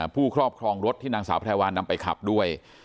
ครอบครองรถที่นางสาวแพรวานำไปขับด้วย